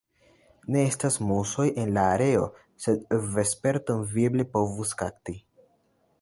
Ne estas musoj en la aero, sed vesperton vi eble povus kapti.